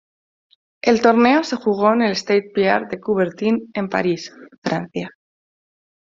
El torneo se jugó en el Stade Pierre de Coubertin en París, Francia.